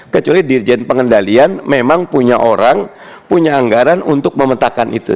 kecuali dirjen pengendalian memang punya orang punya anggaran untuk memetakan itu